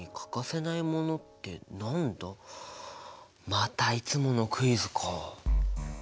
またいつものクイズか。